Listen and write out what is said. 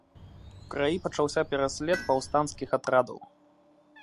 У краі пачаўся пераслед паўстанцкіх атрадаў.